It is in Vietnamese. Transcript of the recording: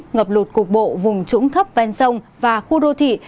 ngập lụt cục bộ vùng trũng thấp ven sông và khu đô thị